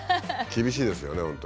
厳しいですよね